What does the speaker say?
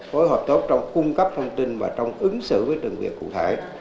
phối hợp tốt trong cung cấp thông tin và trong ứng xử với từng việc cụ thể